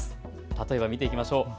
例えば見ていきましょう。